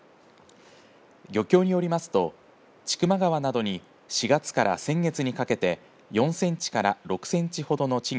漁協によりますと千曲川などに４月から先月にかけて４センチから６センチほどの稚魚